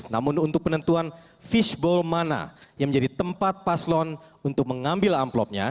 namun untuk penentuan fishbowl mana yang menjadi tempat paslon untuk mengambil amplopnya